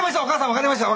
わかりました！